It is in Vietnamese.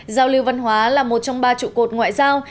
giao lưu văn hóa là một trong ba trụ cột ngoại giao